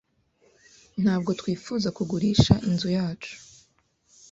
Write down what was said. Ntabwo twifuza kugurisha inzu yacu.